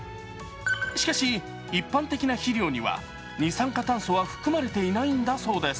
しかし、一般的な肥料には二酸化炭素は含まれていないんだそうです。